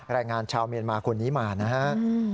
รายงานชาวเมียนมาคนนี้มานะฮะ